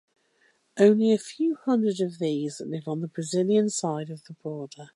Only a few hundred of these live on the Brazilian side of the border.